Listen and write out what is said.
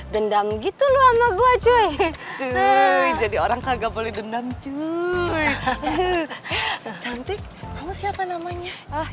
dendam gitu lu ama gua cuy jadi orang kagak boleh dendam cuy cantik kamu siapa namanya oh